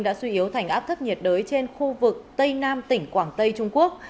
đã suy yếu thành áp thấp nhiệt đới trên khu vực tây nam tỉnh quảng tây trung quốc